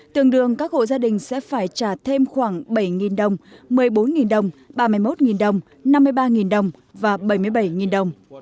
tương đương các hộ gia đình sẽ phải trả thêm khoảng bảy đồng một mươi bốn đồng ba mươi một đồng năm mươi ba đồng và bảy mươi bảy đồng